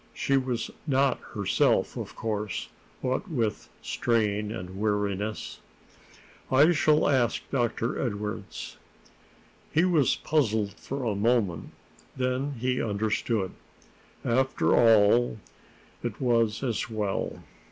She was not herself, of course, what with strain and weariness. "I shall ask Dr. Edwardes." He was puzzled for a moment. Then he understood. After all, it was as well.